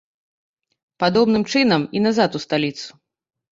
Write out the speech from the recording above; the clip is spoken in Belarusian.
Падобным чынам і назад у сталіцу.